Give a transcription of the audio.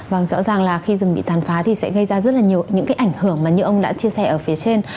vâng rõ ràng là khi rừng bị tàn phá thì sẽ gây ra rất là nhiều những cái ảnh hưởng mà như ông đã chia sẻ ở phía trên